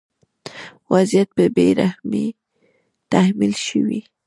وضعیت په بې رحمۍ تحمیل شوی.